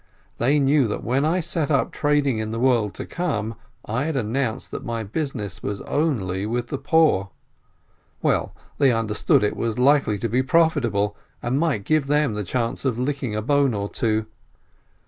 They knew that when I set up trading in the world to come, I had announced that my business was only with the poor. Well, they understood that it was likely to be profitable, and might give them the chance of licking a bone or two.